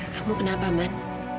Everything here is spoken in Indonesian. kamu kenapa man